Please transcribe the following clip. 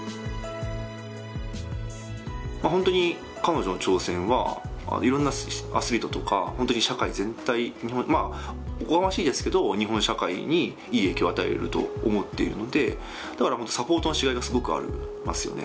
ホントに彼女の挑戦はいろんなアスリートとかホントに社会全体おこがましいですけど日本社会にいい影響を与えると思っているのでだからホントサポートのしがいがすごくありますよね